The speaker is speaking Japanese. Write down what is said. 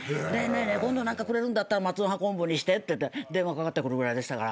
「今度何かくれるんだったらまつのはこんぶにして」って電話かかってくるぐらいでしたから。